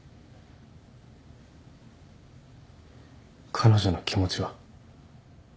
彼女の気持ちは？